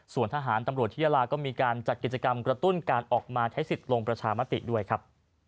ส่วนทหารตำรวจที่ยาลาก็มีการจัดกิจกรรมกระตุ้นการออกมาใช้สิทธิ์ลงประชามติด้วยครับ